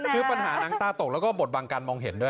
คือปัญหาหนังตาตกแล้วก็บทบังการมองเห็นด้วย